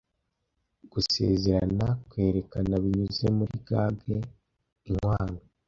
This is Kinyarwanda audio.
Gusezerana kwerekana binyuze muri gage, inkwano.